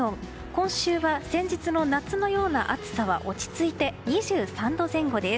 今週は、先日の夏のような暑さは落ち着いて２３度前後です。